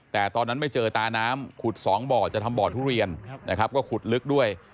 แต่ตอนนั้นไม่เจอตาน้ำขุดสองบ่อจะทำบ่อทุเรียนนะครับก็ขุดลึกด้วย